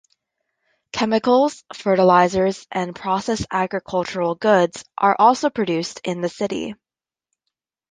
Chemicals, fertilizers and processed agricultural goods are also produced in the city.